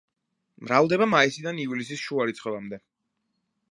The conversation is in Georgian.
მრავლდება მაისიდან ივლისის შუა რიცხვებამდე.